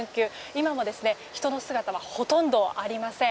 今も人の姿はほとんどありません。